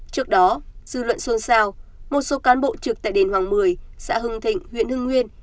trước đó dư luận xuân sao một số cán bộ trực tại đền hoàng một mươi xã hưng thịnh huyện hưng nguyên